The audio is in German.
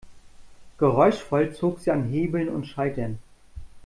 Geräuschvoll zog sie an Hebeln und Schaltern.